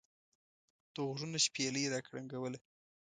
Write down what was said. دغوږونو شپېلۍ را کرنګوله.